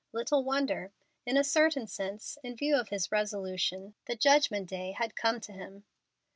Little wonder. In a certain sense, in view of his resolution, the Judgment Day had come to him.